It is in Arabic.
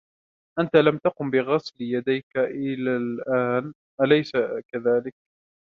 أنت لم تقم بغسل يديك إلي الآن ، أليس كذلك ؟